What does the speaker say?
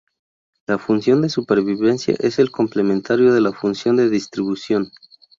La función de supervivencia es el complementario de la función de distribución.